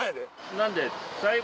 なんで。